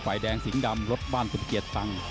แดงสิงห์ดำรถบ้านคุณเกียรติฟัง